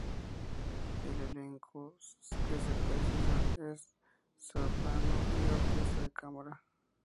El elenco que se precisa es soprano y orquesta de cámara.